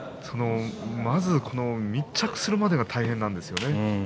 まず密着するまでが大変なんですよね。